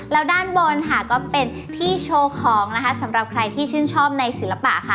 แล้วด้านบนค่ะก็เป็นที่โชว์ของนะคะสำหรับใครที่ชื่นชอบในศิลปะค่ะ